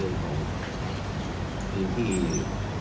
แล้วมันก็จะมีแปลกกับพันธุ์ที่ความรัฐบาล